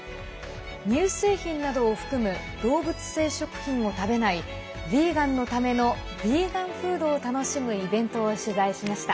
乳製品などを含む動物性食品を食べないヴィーガンのためのヴィーガンフードを楽しむイベントを取材しました。